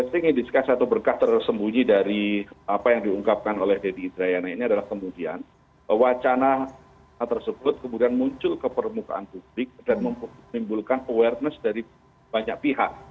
saya ingin diskusi satu berkah tersembunyi dari apa yang diungkapkan oleh denny indrayana ini adalah kemudian wacana tersebut kemudian muncul ke permukaan publik dan memimbulkan awareness dari banyak pihak